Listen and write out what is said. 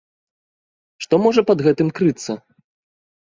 Што можа пад гэтым крыцца?